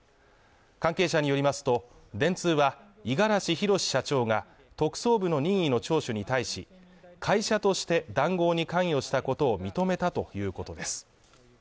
関係者によりますと、電通は五十嵐博社長が特捜部の任意の聴取に対し、会社として、談合に関与したことを認めたということです。